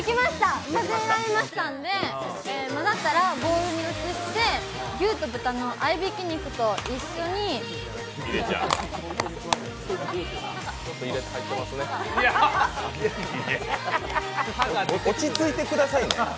できました、混ざったらボウルに移して、牛と豚の合いびき肉と一緒に落ち着いてくださいね。